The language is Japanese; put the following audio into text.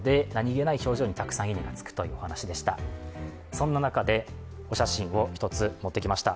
そんな中でお写真を１つ持ってきました。